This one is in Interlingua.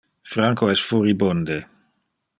Franco es furibunde.